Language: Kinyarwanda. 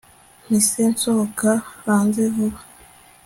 mpise nsohoka hanze vuba